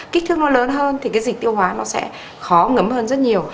kích thước nó lớn hơn thì cái dịch tiêu hóa nó sẽ khó ngấm hơn rất nhiều